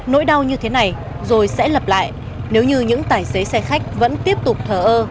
nỗi đau như thế này rồi sẽ lập lại nếu như những tài xế xe khách vẫn tiếp tục thờ ơ